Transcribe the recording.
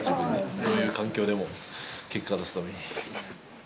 どんな環境でも結果を出すために。